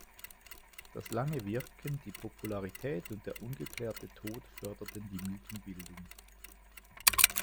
Das lange Wirken, die Popularität und der ungeklärte Tod förderten die Mythenbildung.